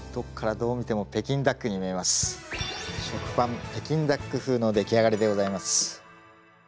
食パン北京ダック風のできあがりでございます。